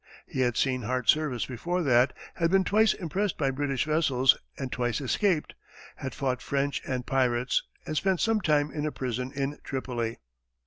He had seen hard service before that, had been twice impressed by British vessels and twice escaped, had fought French and pirates, and spent some time in a prison in Tripoli.